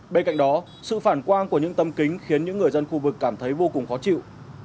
bên cạnh đó sự phản quang của những tâm kính khiến những người dân khu vực cảm thấy vô cùng khó chịu